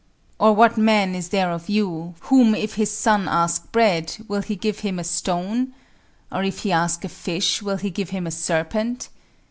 Or what man is there of you, whom if his son ask bread, will he give him a stone? Or if he ask a fish, will he give him a serpent?